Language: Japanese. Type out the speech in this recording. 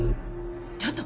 ちょっと！